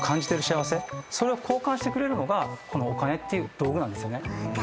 幸せそれを交換してくれるのがお金っていう道具なんですよね。